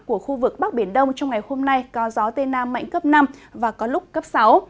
của khu vực bắc biển đông trong ngày hôm nay có gió tây nam mạnh cấp năm và có lúc cấp sáu